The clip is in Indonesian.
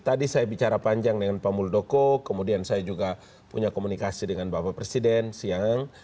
tadi saya bicara panjang dengan pak muldoko kemudian saya juga punya komunikasi dengan bapak presiden siang